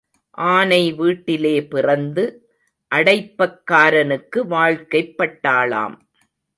ஆனை வீட்டிலே பிறந்து அடைப்பக்காரனுக்கு வாழ்க்கைப் பட்டாளாம்.